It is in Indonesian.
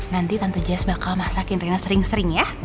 nanti tante jess bakal masakin reina sering sering ya